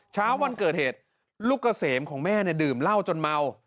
เช้าวันเกิดเหตุลูกเกษมของแม่เนี่ยดื่มเหล้าจนเมา